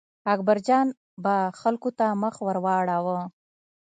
اکبرجان به خلکو ته مخ ور واړاوه.